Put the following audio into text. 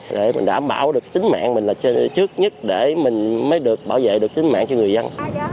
để mình đảm bảo được tính mạng mình là trước nhất để mình mới được bảo vệ được tính mạng cho người dân